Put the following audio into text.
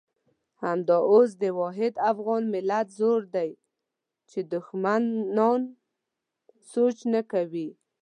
همدا اوس د واحد افغان ملت زور دی چې دښمنان سوچ نه کوي.